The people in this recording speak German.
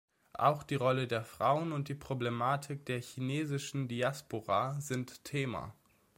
Auch die Rolle der Frauen und die Problematik der chinesischen Diaspora sind Thema.